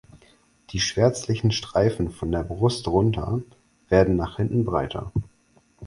Die schwärzlichen Streifen von der Brust runter werden nach hinten breiter.